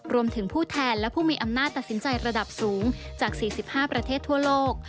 ผู้แทนและผู้มีอำนาจตัดสินใจระดับสูงจาก๔๕ประเทศทั่วโลก